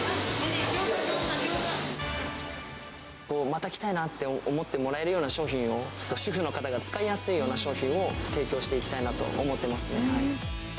また来たいなって思ってもらえるような商品を、主婦の方が使いやすいような商品を提供していきたいなと思ってますね。